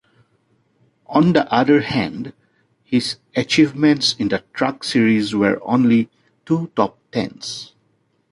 On the other hand, his achievements in the Truck Series were only two top-tens.